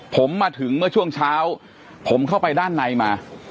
ผมมาถึงเมื่อช่วงเช้าผมเข้าไปด้านในมา